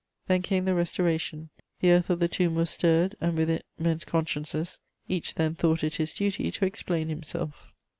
Then came the Restoration: the earth of the tomb was stirred, and with it men's consciences; each then thought it his duty to explain himself.